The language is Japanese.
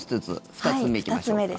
２つ目行きましょうか。